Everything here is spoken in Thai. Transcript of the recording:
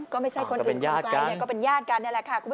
ก็เป็นญาติกัน